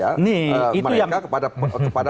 mereka kepada masyarakat